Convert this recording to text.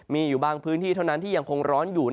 มีอยู่บางพื้นที่เท่านั้นที่ยังคงร้อนอยู่